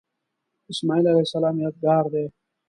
د اسمیل علیه السلام یادګار دی.